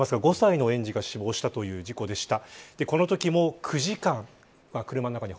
園児が死亡したという事故でした。